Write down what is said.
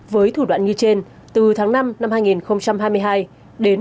với thủ đoạn như trên từ tháng năm năm hai nghìn hai mươi hai đến